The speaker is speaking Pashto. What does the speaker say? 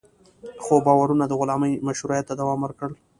خو باورونه د غلامۍ مشروعیت ته دوام ورکړ.